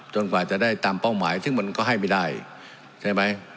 กว่าจะได้ตามเป้าหมายซึ่งมันก็ให้ไม่ได้ใช่ไหม